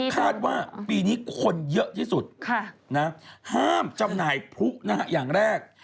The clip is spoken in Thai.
คาดว่าปีนี้คนเยอะที่สุดห้ามจำหน่ายพลุนะฮะอย่างแรก